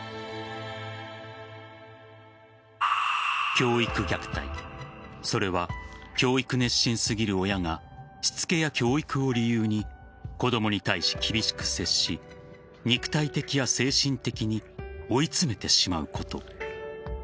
教育虐待それは教育熱心すぎる親がしつけや教育を理由に子供に対し、厳しく接し肉体的や精神的に追い詰めてしまうこと。